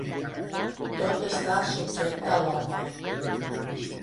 Tot està subjecte a l'home.